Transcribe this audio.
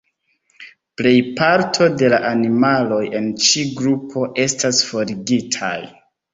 Plejparto da la animaloj en ĉi grupo estas forigitaj.